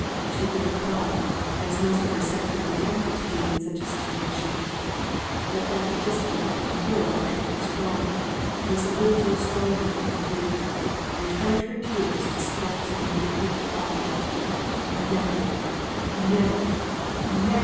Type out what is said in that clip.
She would have cried, as most of her sex would be tempted to do in such a situation, but that her dislike and horror of Count L'Estrange was a good deal stronger than her grief, and turned her tears to sparks of indignant fire. Never, never, never!